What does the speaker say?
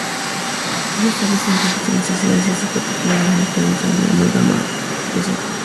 Son estables a condiciones ácidas, y es desprotegido a alcohol usando amalgama de sodio.